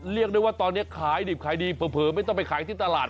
เรียกได้ว่าตอนนี้ขายดิบขายดีเผลอไม่ต้องไปขายที่ตลาด